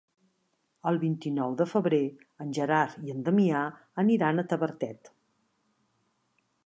El vint-i-nou de febrer en Gerard i en Damià aniran a Tavertet.